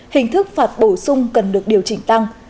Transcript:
hình thức phạt bổ sung cần được điều chỉnh tăng